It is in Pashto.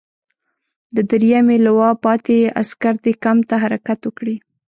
د دریمې لواء پاتې عسکر دې کمپ ته حرکت وکړي.